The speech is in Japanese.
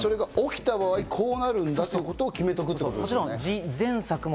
起きた場合、こうなるんだということを決めておくってことですね。